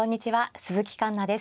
鈴木環那です。